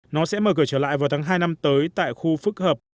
nó sẽ mở cửa trở lại vào tháng hai năm tới tại khu phức hợp